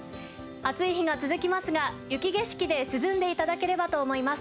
暑い日が続きますが雪景色で涼んでいただければと思います。